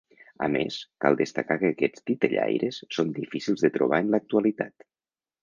A més, cal destacar que aquests titellaires són difícils de trobar en l'actualitat.